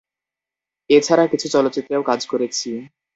এ ছাড়া কিছু চলচ্চিত্রেও কাজ করেছি।